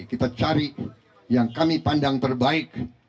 kita cari yang kami pandang terbaik